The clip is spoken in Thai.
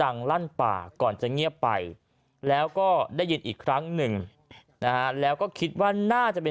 สี่สิบปีเอาไปฟังเสียงพี่น้องชาวพม่าเขาเล่าก่อนนะครับ